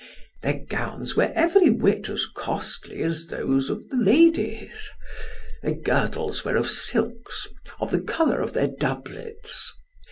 Their gowns were every whit as costly as those of the ladies. Their girdles were of silks, of the colour of their doublets.